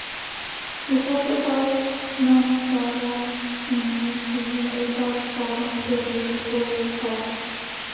This was the first non-trivial symmetric rendezvous search problem to be fully solved.